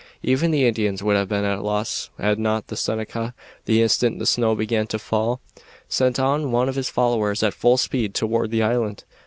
Even the Indians would have been at a loss had not the Seneca, the instant the snow began to fall, sent on one of his followers at full speed toward the island.